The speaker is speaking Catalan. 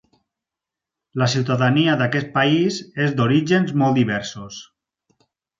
La ciutadania d'aquest país és d'orígens molt diversos.